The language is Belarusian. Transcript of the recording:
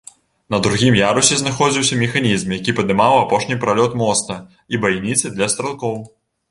На другім ярусе знаходзіўся механізм, які падымаў апошні пралёт моста, і байніцы для стралкоў.